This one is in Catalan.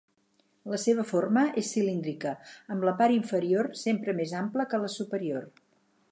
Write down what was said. La seva forma és cilíndrica amb la part inferior sempre més ampla que la superior.